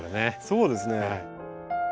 そうですね。